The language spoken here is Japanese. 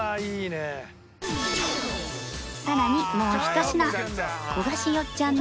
最後にもうひと品